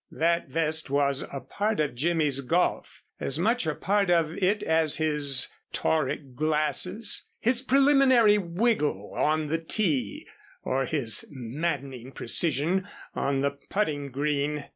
That vest was a part of Jimmy's golf, as much a part of it as his tauric glasses, his preliminary wiggle on the tee, or his maddening precision on the putting green.